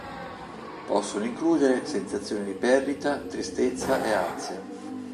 Possono includere sensazioni di perdita, tristezza e ansia.